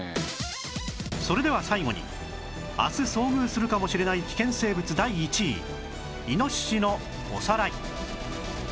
それでは最後に明日遭遇するかもしれない危険生物第１位イノシシのおさらい